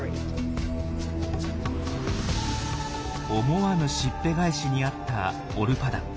思わぬしっぺ返しにあったオルパダン。